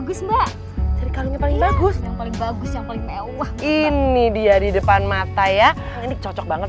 ibu mau beli apa yang paling bagus mbak paling bagus ini dia di depan mata ya ini cocok banget